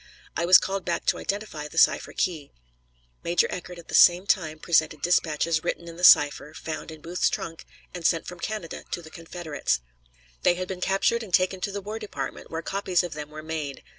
I was called back to identify the cipher key. Major Eckert at the same time presented dispatches written in the cipher found in Booth's trunk and sent from Canada to the Confederates. They had been captured and taken to the War Department, where copies of them were made.